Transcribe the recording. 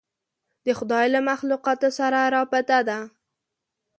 د خدای له مخلوقاتو سره رابطه ده.